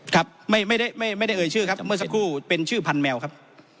ครับไม่ได้เอ่ยชื่อครับเมื่อสักครู่เป็นชื่อพันแมวครับ